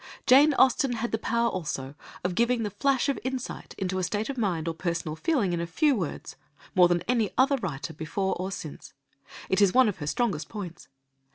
Jane Austen had the power also of giving a flash of insight into a state of mind or a personal feeling in a few words more than any writer before or since. It is one of her strongest points.